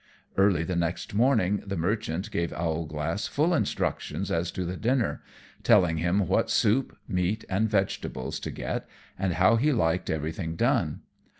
Early the next morning the Merchant gave Owlglass full instructions as to the dinner, telling him what soup, meat, and vegetables to get, and how he liked everything done.